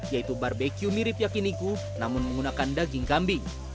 yaitu barbeque mirip yakiniku namun menggunakan daging kambing